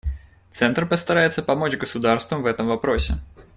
Центр постарается помочь государствам в этом вопросе.